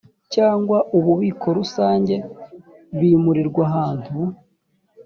cyangwa ububiko rusange bimurirwa ahantu